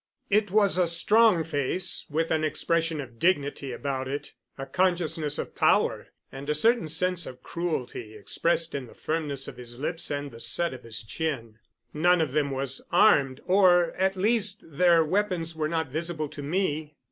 It was a strong face, with an expression of dignity about it, a consciousness of power, and a certain sense of cruelty expressed in the firmness of his lips and the set of his chin. None of them was armed or, at least, their weapons were not visible to me.